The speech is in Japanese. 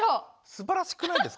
すばらしくないですか？